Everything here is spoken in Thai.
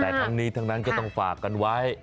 แต่ทั้งนี้ทั้งนั้นก็ต้องฝากกันไว้